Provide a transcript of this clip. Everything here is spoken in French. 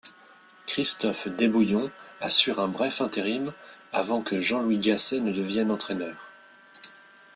Christophe Desbouillons assure un bref intérim, avant que Jean-Louis Gasset ne devienne entraîneur.